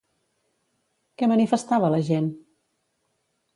Què manifestava la gent?